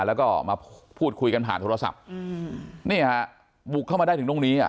แล้วก็มาพูดคุยกันผ่านโทรศัพท์อืมนี่ฮะบุกเข้ามาได้ถึงตรงนี้อ่ะ